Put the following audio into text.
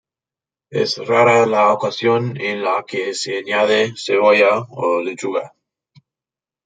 Es rara la ocasión en la que se añade cebolla o lechuga.